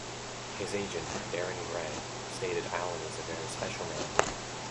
His agent, Darren Gray, stated Alan was a very special man.